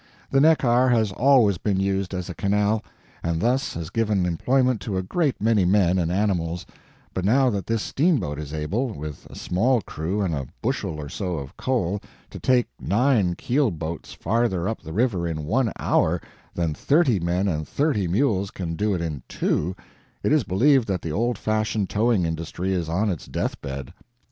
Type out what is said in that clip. The Neckar has always been used as a canal, and thus has given employment to a great many men and animals; but now that this steamboat is able, with a small crew and a bushel or so of coal, to take nine keel boats farther up the river in one hour than thirty men and thirty mules can do it in two, it is believed that the old fashioned towing industry is on its death bed.